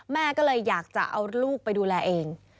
แม่ก็เลยอยากจะเอาลูกไปดูแลเอง